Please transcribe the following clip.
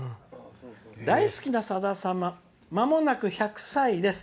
「大好きな、さだ様まもなく１００歳です。